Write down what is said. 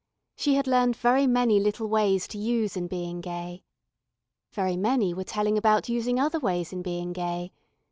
She had learned very many little ways to use in being gay. Very many were telling about using other ways in being gay.